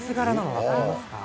分かりますか？